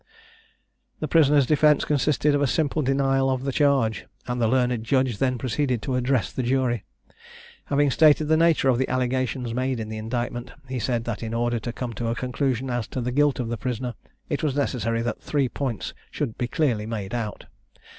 The prisoner's defence consisted of a simple denial of the charge, and the learned judge then proceeded to address the jury. Having stated the nature of the allegations made in the indictment, he said that in order to come to a conclusion as to the guilt of the prisoner, it was necessary that three points should be clearly made out.